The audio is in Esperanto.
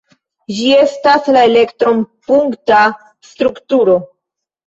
Ĝi estas la elektron-punkta strukturo.